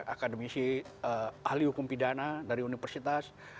akademisi ahli hukum pidana dari universitas